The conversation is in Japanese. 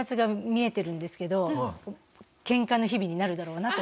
もうケンカの日々になるだろうなと。